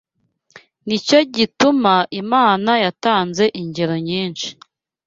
Ni cyo gituma Imana yatanze ingero nyinshi